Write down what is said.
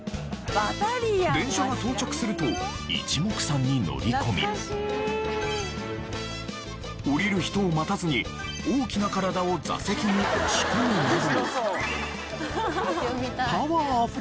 電車が到着すると一目散に乗り込み降りる人を待たずに大きな体を座席に押し込むなど。